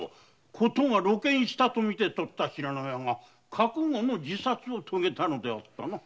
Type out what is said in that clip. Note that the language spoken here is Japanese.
事が露見したと見て取った信濃屋が覚悟の自殺を遂げたのであったな。